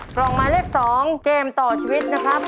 กล่องหมายเลข๒เกมต่อชีวิตนะครับ